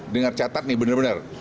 dengar catat nih benar benar